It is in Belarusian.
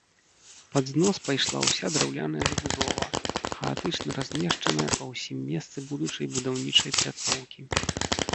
Пад знос пайшла ўся драўляная забудова, хаатычна размешчаная па ўсім месцы будучай будаўнічай пляцоўкі.